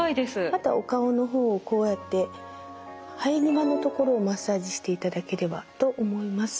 あとはお顔の方をこうやって生え際のところをマッサージしていただければと思います。